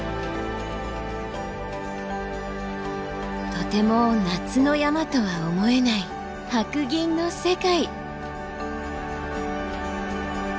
とても夏の山とは思えない白銀の世界。